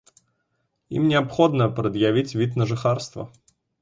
Ім неабходна прад'явіць від на жыхарства.